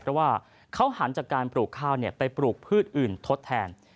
เพราะว่าเขาหันจากการปลูกข้าวไปปลูกพืชอื่นทดแทน